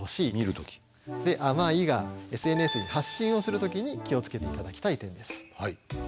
で「あまい」がＳＮＳに発信をする時に気を付けていただきたい点です。